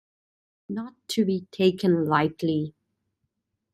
Not to be taken lightly.